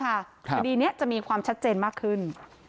คดีนี้จะมีความชัดเจนมากขึ้น